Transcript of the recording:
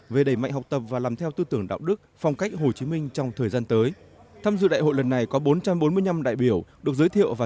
về đẩy mạnh học tập và làm theo tư tưởng đạo đức phong cách hồ chí minh trong thời gian tới